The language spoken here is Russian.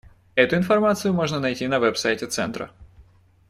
Эту информацию можно найти на веб-сайте Центра.